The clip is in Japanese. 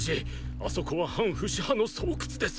あそこは反フシ派の巣窟です！